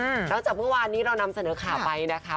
อืมนอกจากพรุ่งวานนี้เรานำเสนอขาไปนะคะ